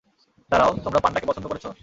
দাঁড়াও, তোমরা পান্ডাকে পছন্দ করেছ?